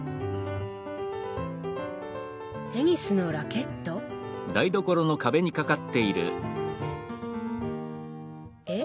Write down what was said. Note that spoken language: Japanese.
テニスのラケット？え？